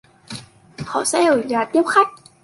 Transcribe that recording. Họ sẽ ở nhà tiếp khách